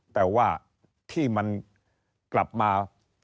แต่ว่าที่มันกลับมา